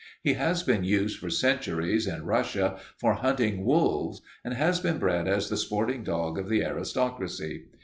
He has been used for centuries in Russia for hunting wolves and has been bred as the sporting dog of the aristocracy."